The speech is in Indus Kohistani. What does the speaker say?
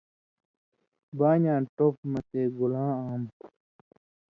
بانیاں ٹوپہۡ مہ تے گولاں آم